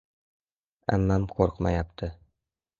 — Ammam qo‘ymayapti.